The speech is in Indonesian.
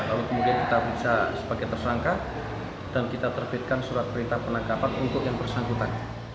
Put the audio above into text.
lalu kemudian kita bisa sebagai tersangka dan kita terbitkan surat perintah penangkapan untuk yang bersangkutan